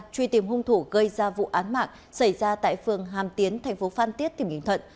truy tìm hung thủ gây ra vụ án mạng xảy ra tại phường hàm tiến thành phố phan tiết tỉnh bình thuận